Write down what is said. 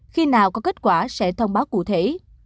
khi nào có kết quả sẽ thông báo cụ thể